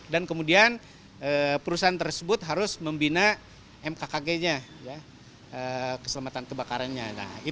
kemudian perusahaan tersebut harus membina mkkg nya keselamatan kebakarannya